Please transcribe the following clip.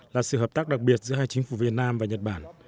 là sự hợp tác đặc biệt giữa hai chính phủ việt nam và nhật bản